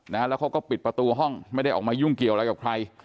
แล้วเขาก็ปิดประตูห้องไม่ได้ออกมายุ่งเกี่ยวอะไรกับใคร